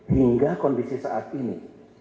hingga kondisi saat ini